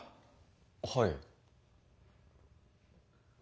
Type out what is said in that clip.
はい。